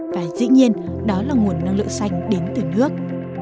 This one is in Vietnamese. và dĩ nhiên đó là nguồn năng lượng xanh đến từ nước